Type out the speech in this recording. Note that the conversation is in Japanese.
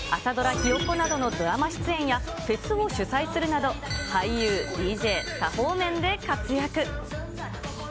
朝ドラ、ひよっこなどのドラマ出演や、フェスを主催するなど、俳優、ＤＪ、多方面で活躍。